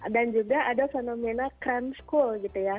dan juga ada fenomena cram school gitu ya